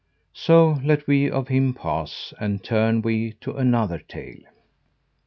So let we of him pass, and turn we to another tale.